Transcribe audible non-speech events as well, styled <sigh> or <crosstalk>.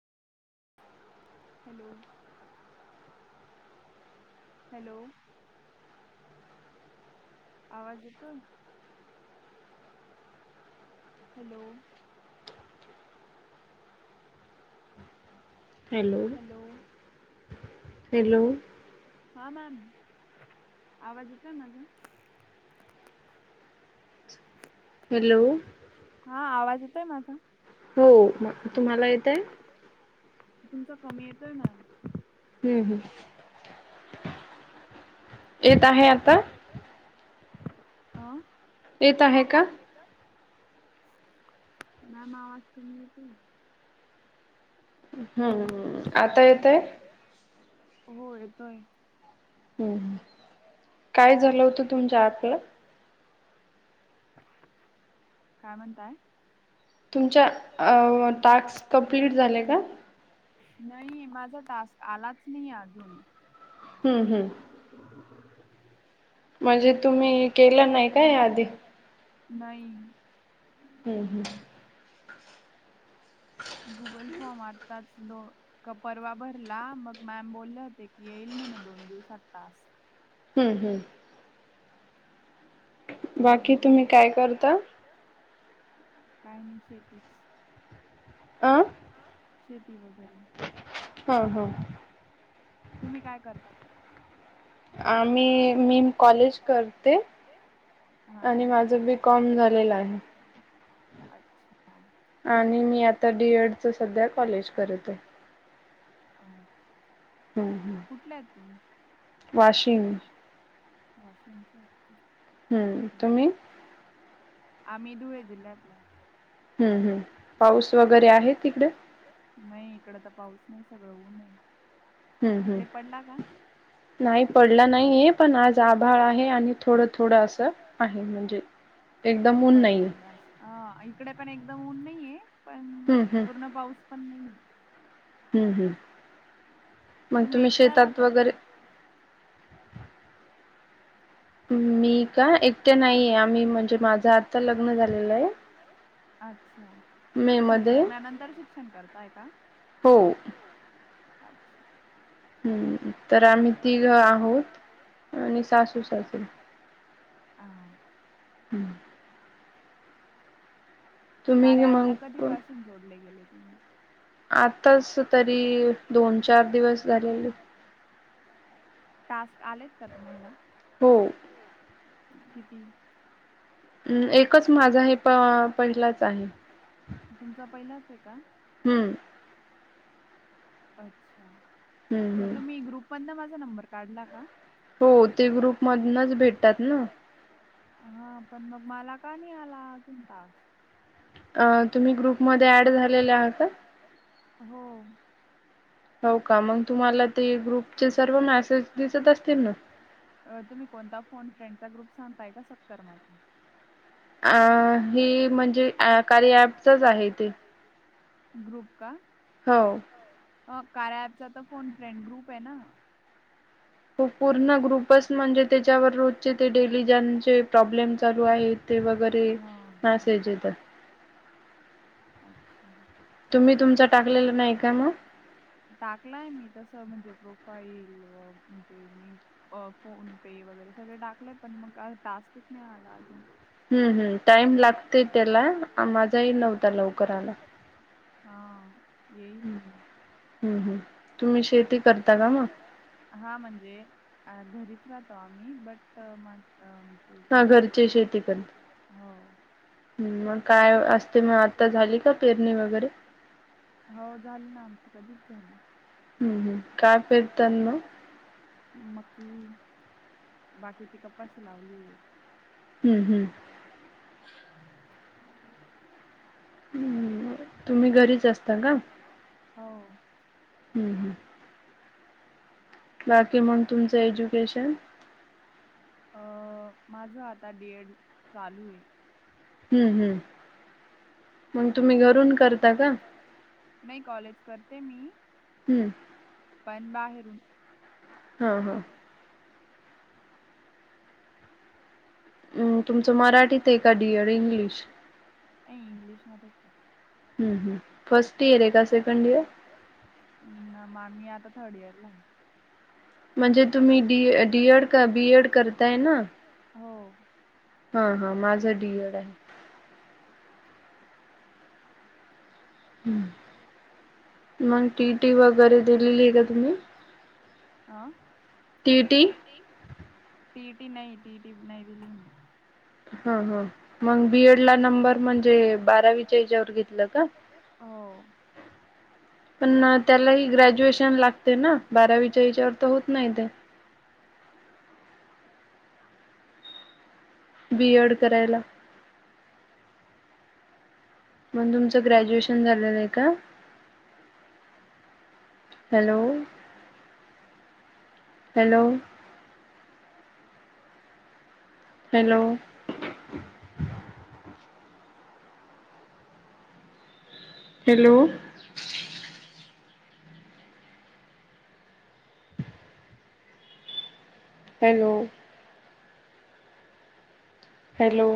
Hello hello आवाज येतोय. Hello hello hello hello हा मॅम आवाज येतोय माझा, हॅलो हा आवाज यतोय माझा. हो मग तुम्हाला येत आहे. तुमचा कमी येतोय मला. हम्म हम्म येत आहे आता अ येत आहे का? मॅम आवाज कमी येतो ना हम्मम् आता येतय हो येतो आहे. हम् काय झालं होतं तुमच्या अप ला. काय म्हणताय. तुमच्या टास्क कं्प्लीट झाले का. नाही माझा टास्क आलाच नाही अजून, हम्म हम् म्हणजे तुम्ही केलं नाही का आधी. नाही हम्म हम् गुगल फॉर्म आताच दो का परवा भरला मग मॅम बोलले होते की येईल म्हणे दोन दिवसात टास्क. हम्म हम् पणनाजम् काय करता काय नाही शेतीच, अं शेती वगैरे? हा हा तुम्ही काय करता? आम्ही मी कॉलेज करते. आणि माझं बी कॉम झालेलं आहे. अच्छा! आणि मी आता डीएड च सध्या कॉलेज करत आहे. अ हम् हम कुठल्या आहेत तुम्ही? वाशिम वाशिम. हम्म तुम्ही? आम्ही धुळे जिल्ह्यातला आहे. हम्म हम् पाऊस वगैरे आहे तिकडे? नाही इकड तर पाऊस नाही सगळं उनय, तिकडे पडला का? नाहीही पडला नाहीय पण आज आभाळ आले थोडसं असं म्हण पडेल ना इकडे पण एकदम ऊन नाहीये पण हम् हम पूर्ण पाऊस पण नाहीये. हम्म हम् मग तुम्ही शेतात वगैरे मी का एकट्या नाहीय आम्ही म्हणजे माझं आत्ता लग्न झालेलं आहे. अच्छा! म्हणजे लग्नानंतर शिक्षण करताय का? हो अच्छा! हम्म तर आम्ही तिघ आहोत आणि सासू, सासरे ह <unintelligible> कार्या अँपला कधीपासून जोडले गेले तुम्ही? आताच तरी दोन चार दिवस झाले. टास्क आलेत का तुम्हाला? हो हो किती? हम् एकच माझा हे प पहिलाच आहे. तुमचा पहिलाच आहे का? हम्म अच्छा! मग तुम्ही ग्रुपमधन माझा नंबर काढला का? हो ते ग्रुपमधूनच भेटतात ना. हा पण मग मला का नई आला अजून टास्क? अ तुम्ही ग्रुपमध्ये ऍड झालेले आहात का? हो हो का? मग तुम्हाला ते ग्रुपचे सर्व मेसेज दिसत असतील ना? अ तुम्ही कोणता फोन फ्रेंड चा ग्रुप सांगताय का सत्कर माझा अ ही म्हणजे कार्य अँपचच आहे ते ग्रुप का? हो कार्या अँपच तर फोन फ्रेंड ग्रुप आहे ना? प पूर्ण ग्रुपस म्हणजे त्याच्यावर रोजचे ते डेली ज्यांचे प्रॉब्लेम चालू आहेत. ते वगैरे मेसेज येतात. अच्छा! तुम्ही तुमच टाकलेलं नाही का मग? टाकलाय मी तसं म्हणजे प्रोफाईल म्हणजे मी अ फोन पे वगैरे सगळे टाकलंय पण मग टास्कच नाही आला अजून, हम्म हम् टाइम लागते त्याला माझाही नव्हता लवकर आला. हा येईल हम्म हम् तुम्ही शेती करता का मग. हा म्हणजे घरीच राहतो आम्ही बट घरचे शेती करतात. ह् मग काय असते मग आता झाली का पेरणी वगैरे, हो झाली ना आमची कधीच झाली. हम् हम् का चा मकी बाकीची कपाशी लावली. हम्म हम् तुम्ही घरीच असता का? हो हम् हम् बाकी म्हग तुमचं एज्युकेशन. अ माझं आता डिएड चालू आहे. हम्म हम् मग तुम्ही घरून करता का. नाही कॉलेज करते मी. हम्म पण बाहेरून हा हा हम तुमचं मराठीत ए कधीड इंग्लिश, अ इंग्लिश मध्येच, हम् हम फर्स्ट इयर आहे का सेकंड इयर. ना म मी आता थर्ड इयर ला आहे. म्हणजे तुम्ही डी डीएड बीएड करताय ना. हो हा हा माझं डडीअड आहे हम्म मग टीटी वगैरे दिलेली आहे का तुम्ही टीटी. टी टी नाही टी टी नाही दिली मग बीएडला ऍडमिशन म्हणजे बारावीची एक्झाम देतात का. पण त्याला ह ग्रॅज्युएशन लागते ना बारावीच्या विच्यावर तर होत नाही ते, बी एड करायला. मग तुमचं ग्रॅज्युएशन झालेलं आहे का? Hello hello hello hello hello hello